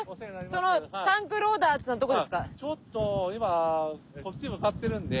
そのタンクローダーっていうのはどこですか？